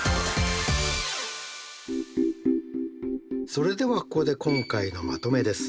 それではここで今回のまとめです。